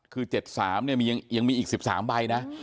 คือ๗๓เนี่ยยังมีอีก๑๓ใบนะ